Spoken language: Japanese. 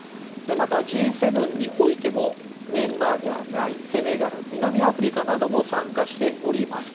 また、Ｇ７においてもメンバーではないセネガル、南アフリカなども参加しております。